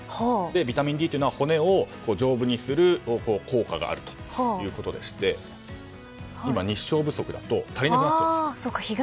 ビタミンＤというのは骨を丈夫にする効果があるということでして今、日照不足だと足りなくなっちゃうんです。